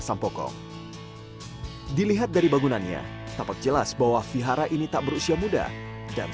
sampokong dilihat dari bangunannya tampak jelas bahwa vihara ini tak berusia muda dan